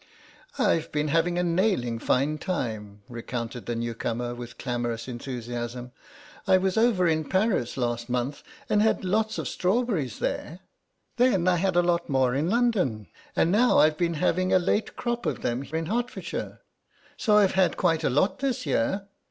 "I've been having a nailing fine time," recounted the newcomer with clamorous enthusiasm; "I was over in Paris last month and had lots of strawberries there, then I had a lot more in London, and now I've been having a late crop of them in Herefordshire, so I've had quite a lot this year."